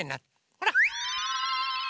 ほら！